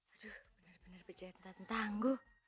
aduh bener bener percaya tentang tangguh